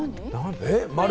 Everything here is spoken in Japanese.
えっ？